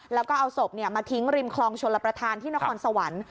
แล้วก็เอาศพมาทิ้งริมคลองชลประธานที่นครสวรรค์